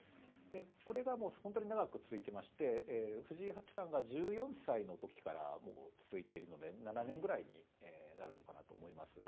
これが本当に長く続いていまして藤井八冠が１４歳の時からもう続いているので７年ぐらいになるのかなと思います。